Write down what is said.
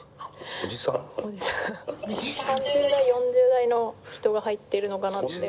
３０代４０代の人が入ってるのかなって。